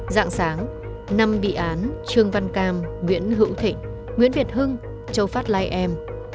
dạng sáng năm bị án trương văn cam nguyễn hữu thịnh nguyễn việt hưng châu phát lai em